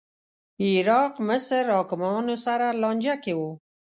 عراق مصر حاکمانو سره لانجه کې و